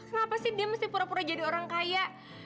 kenapa sih dia mesti pura pura jadi orang kaya